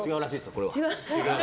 これは。